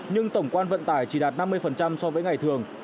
nhưng tổng quan vận tải chỉ đạt năm mươi so với ngày thường